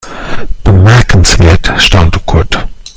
Bemerkenswert, staunte Kurt.